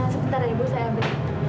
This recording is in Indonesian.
sebentar ibu saya ambil